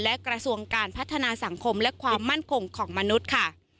และกระทรวงการพัฒนาสังคมและความมั่นคงของมนุษย์ค่ะ